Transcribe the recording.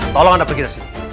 tolong anda pergi dari sini